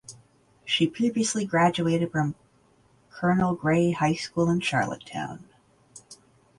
She previously graduated from Colonel Gray High School in Charlottetown.